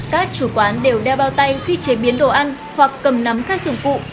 các chủ quán đều đeo bao tay khi chế biến đồ ăn hoặc cầm nắm các dụng cụ